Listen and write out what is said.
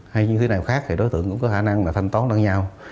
hay như thế nào khác thì đối tượng cũng có khả năng là thanh toán nhau